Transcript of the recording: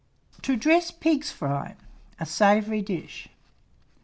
TO DRESS PIG'S FRY (a Savoury Dish).